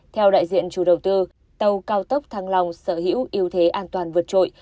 theo đại diện chủ đầu tư tàu cao tốc thăng long sở hữu yêu thế an toàn vượt trội